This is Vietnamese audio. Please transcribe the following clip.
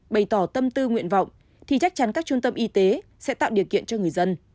bày tỏ tâm tư nguyện vọng thì chắc chắn các trung tâm y tế sẽ tạo điều kiện cho người dân